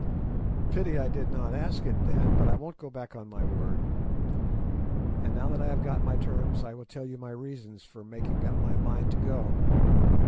"Pity I did not ask it, then, but I won't go back on my word. And now that I have got my terms I will tell you my reasons for making up my mind to go.